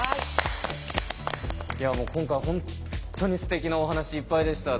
いやもう今回本当にすてきなお話いっぱいでした。